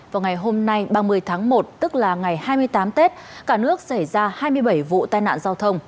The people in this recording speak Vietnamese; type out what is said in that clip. vào ngày hôm nay ba mươi tháng một tức là ngày hai mươi tám tết cả nước xảy ra hai mươi bảy vụ tai nạn giao thông